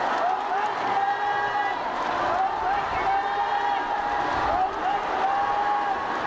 โอ้มัสดีครับ